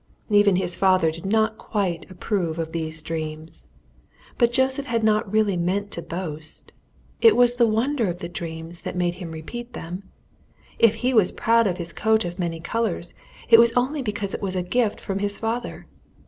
Even his father did not quite approve of these dreams. But Joseph had not really meant to boast. It was the wonder of the dreams that made him repeat them. If he was proud of his coat of many colours, it was only because it was a gift from his father.